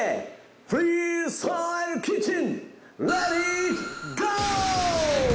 フリースタイルキッチン。